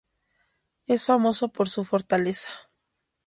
Es famoso por su fortaleza.